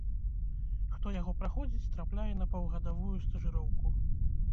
Хто яго праходзіць, трапляе на паўгадавую стажыроўку.